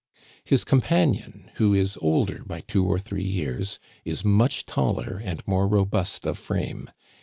His companion, who is older by two or three years, is much taller and more robust of frame.